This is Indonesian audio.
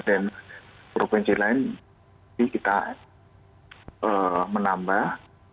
dan provinsi lain kita menambah